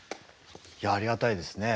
いやありがたいですね。